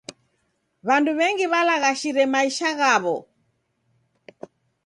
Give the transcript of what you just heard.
W'andu w'engi walaghashire maisha ghaw'o.